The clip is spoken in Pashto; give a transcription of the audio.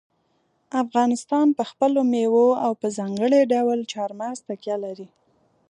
افغانستان په خپلو مېوو او په ځانګړي ډول چار مغز تکیه لري.